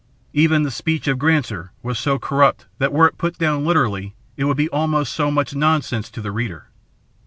Even the speech of Granser was so corrupt that were it put down literally it would be almost so much nonsense to the reader.